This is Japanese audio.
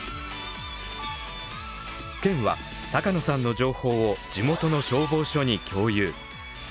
県は鷹野さんの情報を地元の消防署に共有。